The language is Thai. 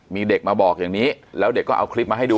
มีเด็กมาบอกอย่างนี้แล้วเด็กก็เอาคลิปมาให้ดู